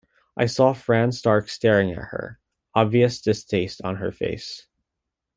I saw Fran Stark staring at her, obvious distaste on her face.